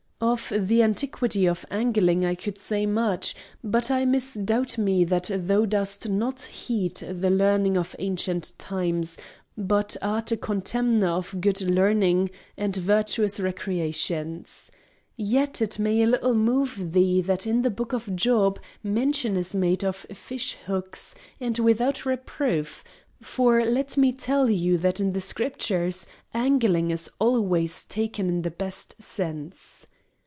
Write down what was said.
Of the antiquity of angling I could say much; but I misdoubt me that thou dost not heed the learning of ancient times, but art a contemner of good learning and virtuous recreations. Yet it may a little move thee that in the Book of Job mention is made of fish hooks, and without reproof; for let me tell you that in the Scriptures angling is always taken in the best sense.